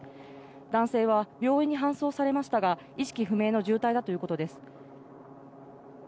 男性は病院に搬送されましたが、意識不明の重体だということです。